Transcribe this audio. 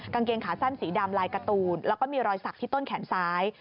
กางเกงขาสั้นสีดำลายการ์ตูนแล้วก็มีรอยสักที่ต้นแขนซ้าย